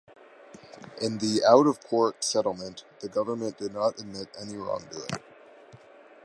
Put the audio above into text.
In the out-of-court settlement, the government did not admit any wrongdoing.